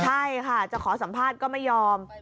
ใช่ค่ะจะขอสัมภาษณ์ก็ไม่ยอม